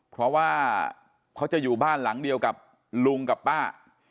เพราะว่าเขาจะอยู่บ้านหลังเดียวกับลุงกับป้า